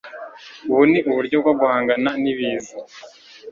Ubu ni uburyo bwo guhangana n’ibiza